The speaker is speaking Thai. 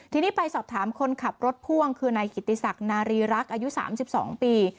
ทีนี้ไปสอบถามคนขับรถพ่วงคือนายกิติศักดิ์นารีรักษ์อายุ๓๒ปี